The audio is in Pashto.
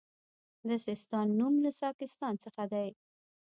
د سیستان نوم له ساکستان څخه دی